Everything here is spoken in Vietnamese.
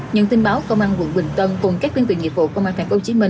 những tin báo công an quận bình tân cùng các tuyên truyền nghiệp vụ công an tp hcm